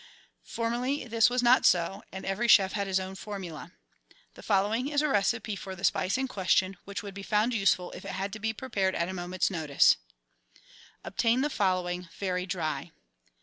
Formerly this was not so, and every chef had his own formula. The following is a recipe for the spice in question, which would be found useful if it had to be prepared at a moment's notice :— Obtain the following, very dry.